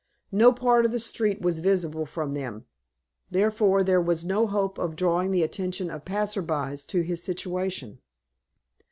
No part of the street was visible from them; therefore there was no hope of drawing the attention of passers by to his situation.